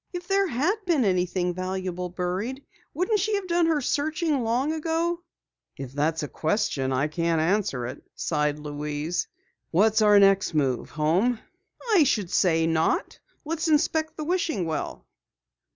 If there had been anything valuable buried, wouldn't she have done her searching long ago?" "If that's a question, I can't answer it," sighed Louise. "What's our next move? Home?" "I should say not! Let's inspect the wishing well."